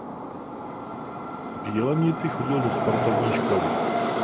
V Jilemnici chodil do sportovní školy.